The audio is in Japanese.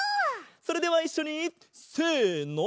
それではいっしょに！せの！